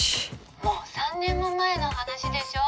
「もう３年も前の話でしょ」